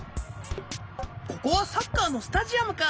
ここはサッカーのスタジアムか。